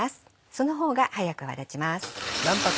その方が早く泡立ちます。